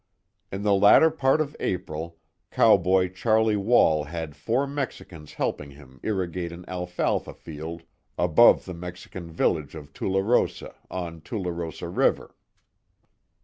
In the latter part of April, Cowboy Charlie Wall had four Mexicans helping him irrigate an alfalfa field, above the Mexican village of Tularosa, on Tularosa river.